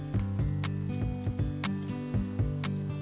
kapan accelerator ya